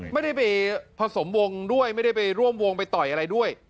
ไม่ได้ไปผสมวงด้วยไม่ได้ไปร่วมวงไปต่อยอะไรด้วย